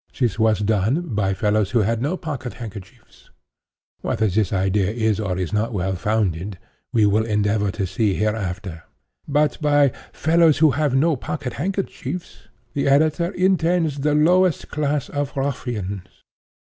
This was done, by fellows who had no pocket handkerchiefs.' Whether this idea is, or is not well founded, we will endeavor to see hereafter; but by 'fellows who have no pocket handkerchiefs' the editor intends the lowest class of ruffians.